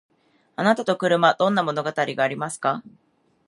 あなたと車どんな物語がありますか？